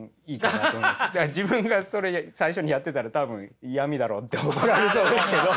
自分がそれ最初にやってたら多分「イヤミだろ！」って怒られそうですけど。